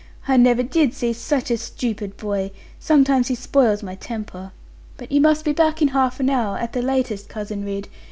I never did see such a stupid boy: sometimes he spoils my temper. But you must be back in half an hour, at the latest, Cousin Ridd.